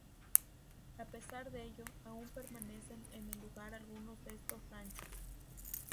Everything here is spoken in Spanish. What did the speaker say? A pesar de ello, aún permanecen en el lugar algunos de estos ranchos.